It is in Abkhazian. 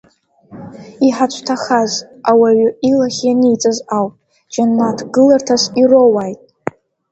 Иҳацәҭахаз, ауаҩы илахь ианиҵаз ауп, Џьанаҭ гыларҭас ироуааит!